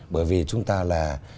bởi vì chúng ta là